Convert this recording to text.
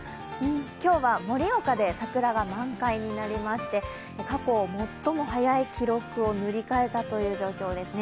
今日は盛岡で桜が満開になりまして過去最も早い記録を塗り替えたという状況ですね。